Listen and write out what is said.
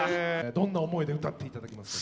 どんな思いで歌って頂けますか？